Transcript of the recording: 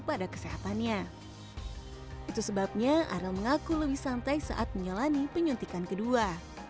pada kesehatannya itu sebabnya arel mengaku lebih santai saat menjalani penyuntikan kedua